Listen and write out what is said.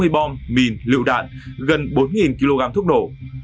một mươi bảy tám trăm sáu mươi bom mìn lựu đạn gần bốn kg thuốc nổ